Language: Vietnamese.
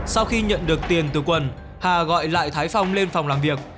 sau khi nhận được tiền từ quần hà gọi lại thái phong lên phòng làm việc